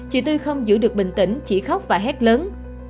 chị tư không giữ được bình tĩnh chỉ khóc và hét lớn